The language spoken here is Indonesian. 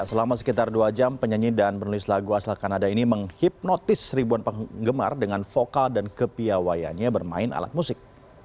selama sekitar dua jam penyanyi dan penulis lagu asal kanada ini menghipnotis ribuan penggemar dengan vokal dan kepiawayanya bermain alat musik